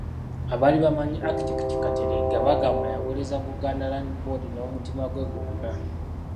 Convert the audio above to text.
Abaali bamanyi Architect Kateregga bagamba yaweereza Buganda Land Board n'omutima gwe gwonna.